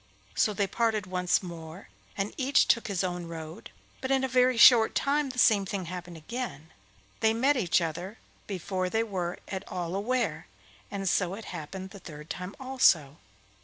So they parted once more, and each took his own road, but in a very short time the same thing happened again—they met each other before they were at all aware, and so it happened the third time also.